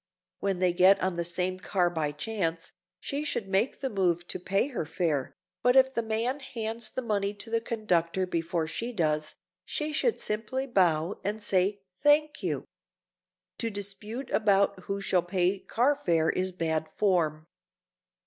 When they get on the same car by chance, she should make the move to pay her fare, but if the man hands the money to the conductor before she does so, she should simply bow and say "Thank you!" To dispute about who shall pay car fare is bad form.